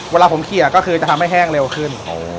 เวลาผมเขียก็คือจะทำให้แห้งเร็วขึ้น